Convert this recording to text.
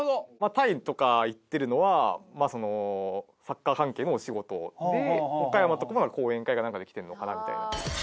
タイとか行っているのはサッカー関係のお仕事で岡山とかは講演会か何かで来ているのかなみたいな。